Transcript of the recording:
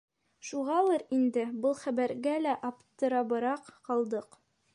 Шуғалыр инде был хәбәргә лә аптырабыраҡ ҡалдыҡ.